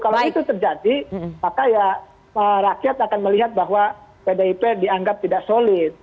kalau itu terjadi maka ya rakyat akan melihat bahwa pdip dianggap tidak solid